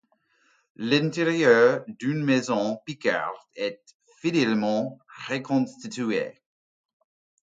L'intérieur d'une maison picarde est fidèlement reconstitué.